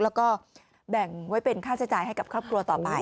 แล้วก็แบ่งไว้เป็นค่าใช้จ่ายให้กับครอบครัวต่อไป